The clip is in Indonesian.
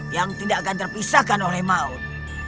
yang tidak akan terpisahkan oleh maut